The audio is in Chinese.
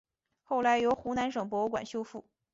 后来由湖南省博物馆修复。